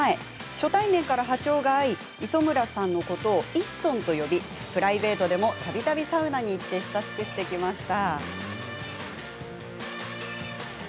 初対面から波長が合い磯村さんのことをいっそんと呼びプライベートでもたびたびサウナに行って親しくしてきました。